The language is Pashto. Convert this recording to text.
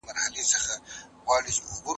سیلانیان باید قانون مراعات کړي.